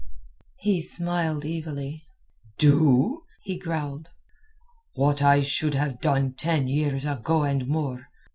He smiled evilly. "Do?" he growled. "What I should have done ten years ago and more.